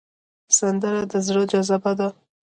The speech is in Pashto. سندره د زړه جذبه ده